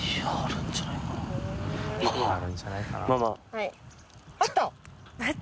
はい。